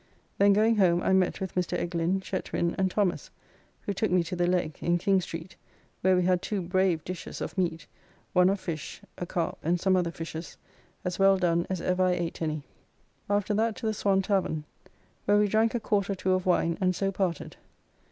Then going home, I met with Mr. Eglin, Chetwind, and Thomas, who took me to the Leg [another tavern] in King's street, where we had two brave dishes of meat, one of fish, a carp and some other fishes, as well done as ever I ate any. After that to the Swan tavern, where we drank a quart or two of wine, and so parted.